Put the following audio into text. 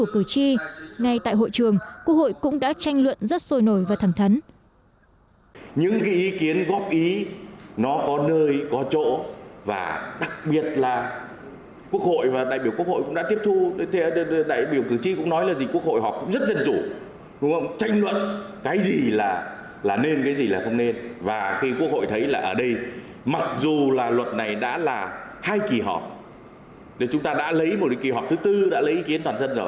ghi nhận ý kiến của cử tri ngay tại hội trường quốc hội cũng đã tranh luận rất sôi nổi và thẳng thắn